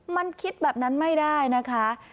มันคิดแบบนั้นไม่ได้นะคะ